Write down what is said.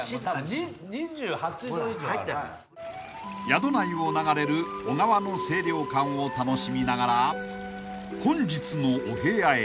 ［宿内を流れる小川の清涼感を楽しみながら本日のお部屋へ］